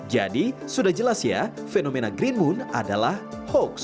jadi sudah jelas ya fenomena green moon adalah hoaks